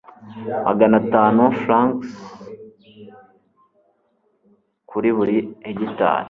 magana atanu frw kuri buri hegitari